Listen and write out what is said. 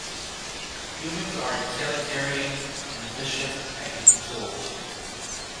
Humans are utilitarian and efficient at using tools.